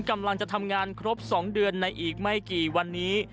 กำลังจะทำงานครบ๒เดือนในอีกไม่กี่วันนี้